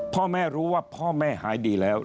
พ่อแม่รู้ว่าพ่อแม่หายดีแล้ว